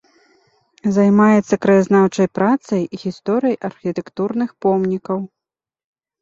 Займаецца краязнаўчай працай, гісторыяй архітэктурных помнікаў.